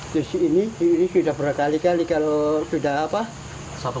disini sudah berapa kali kali kalau sudah apa